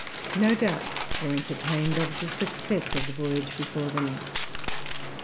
No doubts were entertained of the success of the voyage before them.